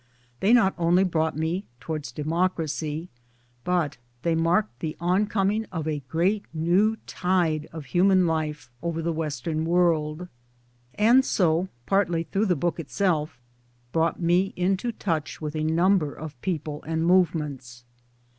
They not only brought me Towards Democracy, but they marked the oncoming of a great new tide of human life over the Western World, and so partly through the book itself brought me into touch with a number of people and movements.